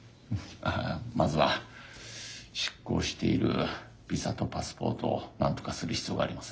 ああまずは失効しているビザとパスポートをなんとかする必要がありますね。